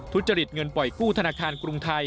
ทุจริตเงินปล่อยกู้ธนาคารกรุงไทย